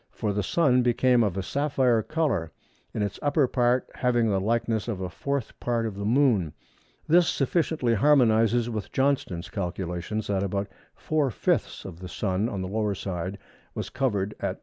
For the Sun became of a sapphire colour; in its upper part having the likeness of a fourth part of the Moon." This sufficiently harmonises with Johnston's calculations that about four fifths of the Sun on the lower side was covered at 10h.